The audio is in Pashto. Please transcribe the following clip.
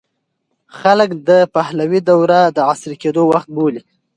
خلک د پهلوي دوره د عصري کېدو وخت بولي.